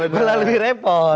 malah lebih repot